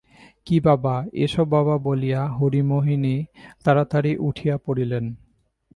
কী বাবা, এসো বাবা বলিয়া হরিমোহিনী তাড়াতাড়ি উঠিয়া পড়িলেন।